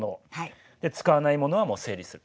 使わないものはもう整理する。